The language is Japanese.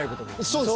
そうです。